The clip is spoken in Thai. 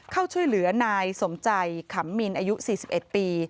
เข้าช่วยเหลือนายสมใจขำมินอายุ๔๑ปี